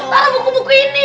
taruh buku buku ini